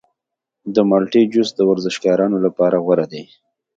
د مالټې جوس د ورزشکارانو لپاره غوره دی.